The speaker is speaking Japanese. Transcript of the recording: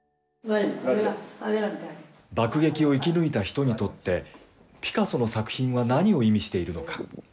爆撃を生き抜いた人にとって、ピカソの作品は何を意味しているのか。